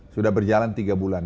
sudah berjalan tiga bulan